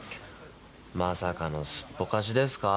まさかのすっぽかしですか？